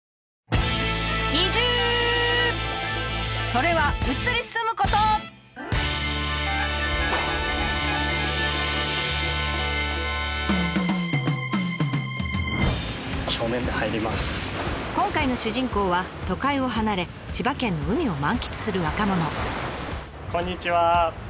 それは今回の主人公は都会を離れ千葉県の海を満喫する若者。